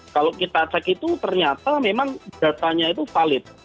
kalau kita cek itu ternyata memang datanya itu valid